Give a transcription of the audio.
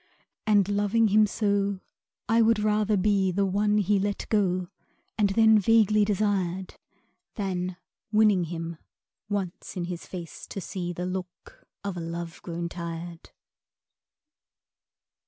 And loving him so, I would rather be The one he let go and then vaguely desired, Than, winning him, once in his face to see The look of a love grown tired.